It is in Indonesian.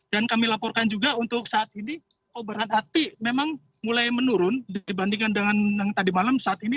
dan kami laporkan juga untuk saat ini kobaran api memang mulai menurun dibandingkan dengan tadi malam saat ini